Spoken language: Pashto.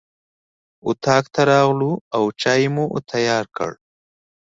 اطاق ته راغلو او چای مو تیار کړ.